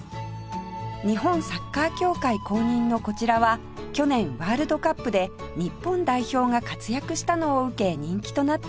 日本サッカー協会公認のこちらは去年ワールドカップで日本代表が活躍したのを受け人気となっています